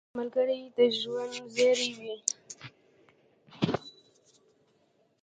ملګری د ژوند زېری وي